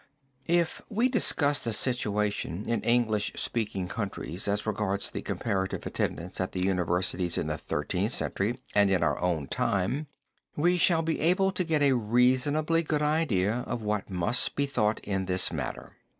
If we discuss the situation in English speaking countries as regards the comparative attendance at the universities in the Thirteenth Century and in our own time, we shall be able to get a reasonably good idea of what must be thought in this matter.